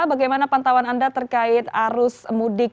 bagaimana pantauan anda terkait arus mudik